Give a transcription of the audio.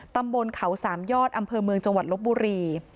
ตำบลเขาสามยอดอำเภอเมืองจังหวัดลบบุรี